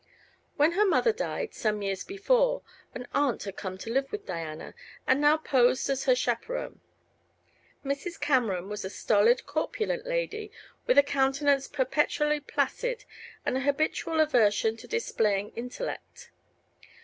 When her mother died, some years before, an aunt had come to live with Diana, and now posed as her chaperon. Mrs. Cameron was a stolid, corpulent lady, with a countenance perpetually placid and an habitual aversion to displaying intellect.